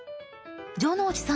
城之内さん